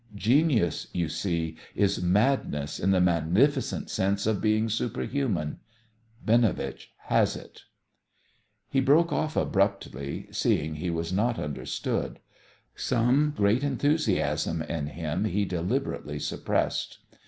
Genius, you see, is madness in the magnificent sense of being superhuman. Binovitch has it." He broke off abruptly, seeing he was not understood. Some great enthusiasm in him he deliberately suppressed.